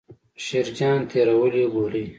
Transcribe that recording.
شیرجان تېرې ولي ګولۍ.